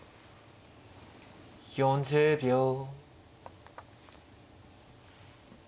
４０秒。